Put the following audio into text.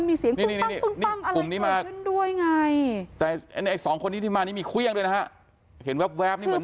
มีเครื่องด้วยนะครับเห็นแวบนี่มัน